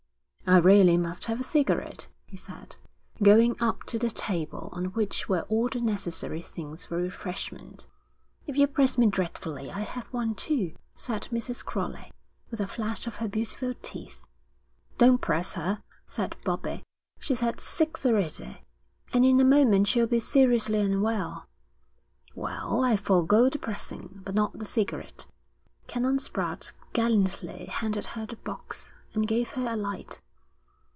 'I really must have a cigarette,' he said, going up to the table on which were all the necessary things for refreshment. 'If you press me dreadfully I'll have one, too,' said Mrs. Crowley, with a flash of her beautiful teeth. 'Don't press her,' said Bobbie. 'She's had six already, and in a moment she'll be seriously unwell.' 'Well, I'll forego the pressing, but not the cigarette.' Canon Spratte gallantly handed her the box, and gave her a light.